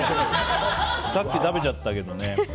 さっき食べちゃったけどね。